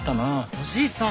おじいさん。